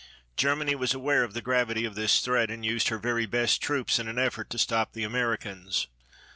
Germany was aware of the gravity of this threat and used her very best troops in an effort to stop the Americans.